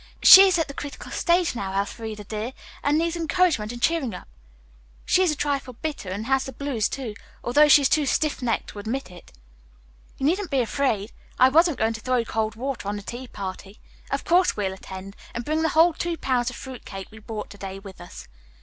She is at the critical stage now, Elfreda, dear, and needs encouragement and cheering up. She is a trifle bitter, and has the blues, too, although she is too stiff necked to admit it." "You needn't be afraid. I wasn't going to throw cold water on the tea party. Of course we'll attend, and bring the whole two pounds of fruit cake we bought to day with us.